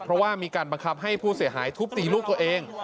เพราะว่ามีการบังคับให้ผู้เสียหายทุบตีลูกตัวเอง